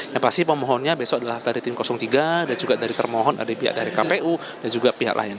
yang pasti pemohonnya besok adalah dari tim tiga dan juga dari termohon ada pihak dari kpu dan juga pihak lain